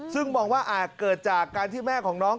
ซึ่งมองว่าอาจเกิดจากการที่แม่ของน้อง